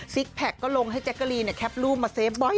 ซิกแพกก็ลงให้แจ๊กกะลีเนี่ยแคปรูปมาเซฟบ่อย